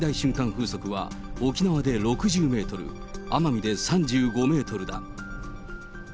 風速は沖縄で６０メートル、奄美で３５メートルだ。